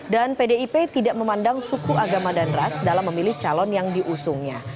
dan pdip tidak memandang suku agama dan ras dalam memilih calon yang diusungnya